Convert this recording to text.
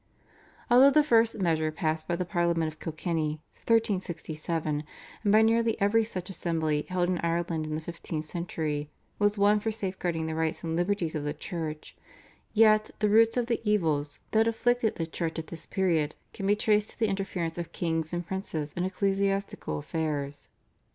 Although the first measure passed by the Parliament at Kilkenny (1367) and by nearly every such assembly held in Ireland in the fifteenth century was one for safeguarding the rights and liberties of the Church, yet the root of the evils that afflicted the Church at this period can be traced to the interference of kings and princes in ecclesiastical affairs.